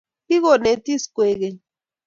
Kigonetis koek keny